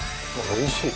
おいしい。